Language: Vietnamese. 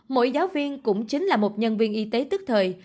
mỗi giáo viên cũng chính là một nhân viên y tế tức thời